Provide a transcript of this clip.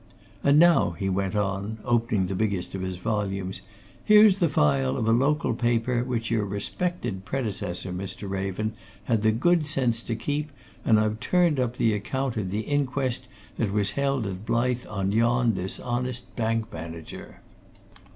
And now," he went on, opening the biggest of his volumes, "here's the file of a local paper which your respected predecessor, Mr. Raven, had the good sense to keep, and I've turned up the account of the inquest that was held at Blyth on yon dishonest bank manager.